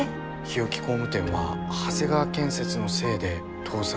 日置工務店は長谷川建設のせいで倒産したのかも。